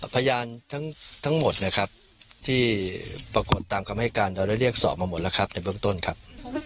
พยานทั้งหมดนะครับที่ปรากฏตามคำให้การเราได้เรียกสอบมาหมดแล้วครับในเบื้องต้นครับ